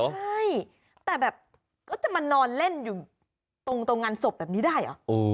ใช่แต่แบบก็จะมานอนเล่นอยู่ตรงงานศพแบบนี้ได้เหรอ